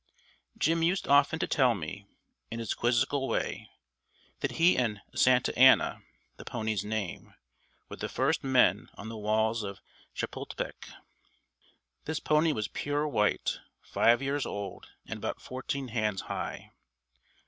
Jim used often to tell me, in his quizzical way, that he and "Santa Anna" (the pony's name) were the first men on the walls of Chepultepec. This pony was pure white, five years old, and about fourteen hands high.